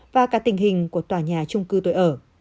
và cả tình hình của tòa nhà trung cư tôi ở